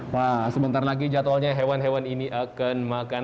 pak sebentar lagi jadwalnya hewan hewan ini akan makan